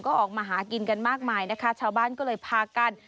ก็ออกมาหากินกันมากมายนะคะชาวบ้านก็เลยพากัน